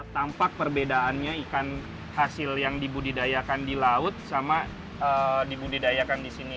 tampak perbedaannya ikan hasil yang dibudidayakan di laut sama dibudidayakan di sini